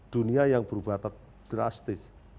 dunia yang berubah drastis